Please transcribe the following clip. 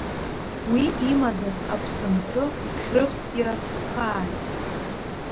Уи имаӡаз аԥсынҵры Хьрыԥс иразҟхааит!